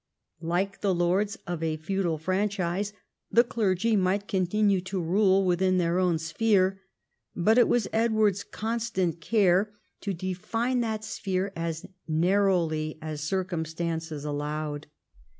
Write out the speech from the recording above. Like the lords of a feudal franchise, the clergy might continue to rule within their own sphere ; but it was Edward's constant care to define that sphere as narrowly as circumstances allowed.